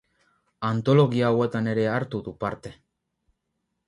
Antologia hauetan ere hartu du parte.